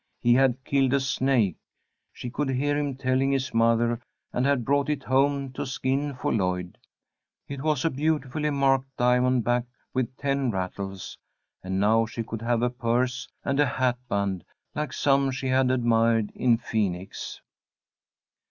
He had killed a snake, she could hear him telling his mother, and had brought it home to skin for Lloyd. It was a beautifully marked diamond back with ten rattles, and now she could have a purse and a hat band, like some she had admired in Phoenix.